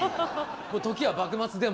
時は幕末でも？